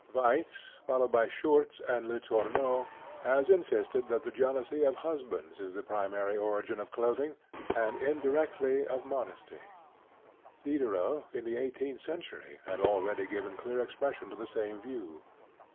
Waitz, followed by Schurtz and Letourneau, has insisted that the jealousy of husbands is the primary origin of clothing, and, indirectly, of modesty. Diderot in the eighteenth century had already given clear expression to the same view.